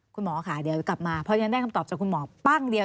คุณหมอค่ะเดี๋ยวกลับมาเพราะฉะนั้นได้คำตอบจากคุณหมอปั้งเดียว